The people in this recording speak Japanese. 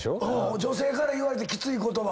女性から言われてキツい言葉。